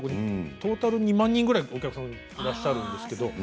トータル２万人ぐらいお客さんがいらっしゃるんですけれど。